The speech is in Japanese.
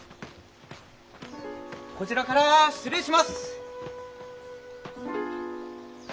こちらから失礼します。